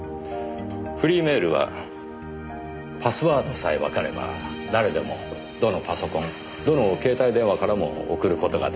フリーメールはパスワードさえわかれば誰でもどのパソコンどの携帯電話からも送る事が出来ます。